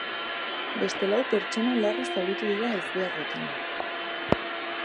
Beste lau pertsona larri zauritu dira ezbeharrotan.